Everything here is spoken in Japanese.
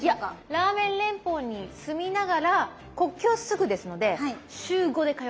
ラーメン連邦に住みながら国境すぐですので週５で通います。